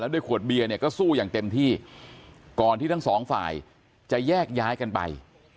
ด้วยขวดเบียร์เนี่ยก็สู้อย่างเต็มที่ก่อนที่ทั้งสองฝ่ายจะแยกย้ายกันไป